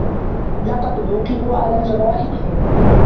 لقد عوقبوا على جرائمهم.